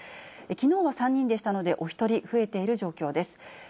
きのうは３人でしたので、お１人増えている状況です。